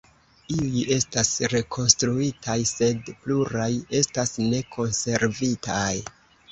Iuj estas rekonstruitaj, sed pluraj estas ne konservitaj.